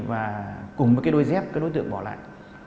và cùng với cái đôi dép các đối tượng bỏ lại